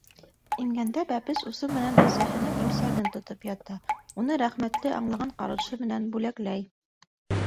Имгәндә бәпес усы менән әсәһенең имсәген тотоп ята, уны рәхмәтле аңлаған ҡарашы менән бүләкләй.